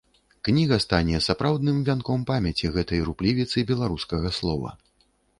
Кніга стане сапраўдным вянком памяці гэтай руплівіцы беларускага слова.